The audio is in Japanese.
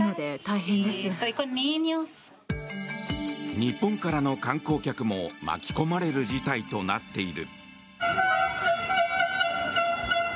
日本からの観光客も巻き込まれる事態となっている。